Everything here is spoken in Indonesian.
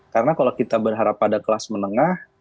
karena kalau kita berharap ada kelas menengah